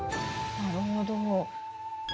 なるほど。